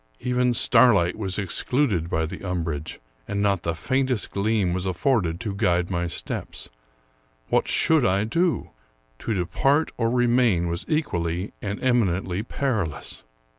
Even starlight was ex cluded by the umbrage, and not the faintest gleam was af forded to guide my steps. What should I do? To depart or remain was equally and eminently perilous.